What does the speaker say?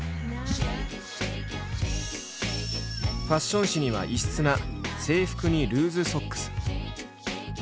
ファッション誌には異質な制服にルーズソックス。